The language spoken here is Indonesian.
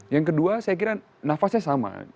yang kedua saya kira nafasnya sama